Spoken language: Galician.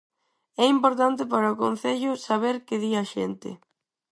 É importante para o Concello saber que di a xente.